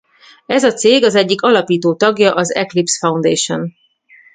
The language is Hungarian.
Ez a cég az egyik alapító tagja az Eclipse Foundation.